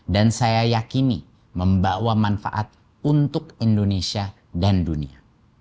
dan saya yakini membawa manfaat untuk indonesia dan dunia